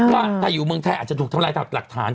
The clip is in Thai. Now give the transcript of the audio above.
ว่าถ้าอยู่เมืองไทยอาจจะถูกทำลายหลักฐาน